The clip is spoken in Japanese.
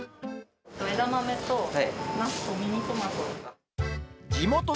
枝豆とナスとミニトマト。